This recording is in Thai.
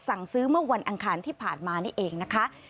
สั่งซื้อเมื่อวันอังคารที่ผ่านมานี่เองนะคะ